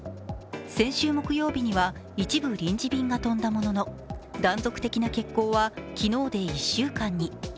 先週木曜日には一部臨時便が飛んだものの断続的な欠航は昨日で１週間に。